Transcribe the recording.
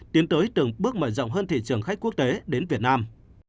tiến tới từng bước mở rộng hơn thị trường khách quốc tế đến việt nam